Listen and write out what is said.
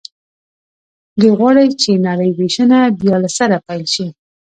دوی غواړي چې نړۍ وېشنه بیا له سره پیل شي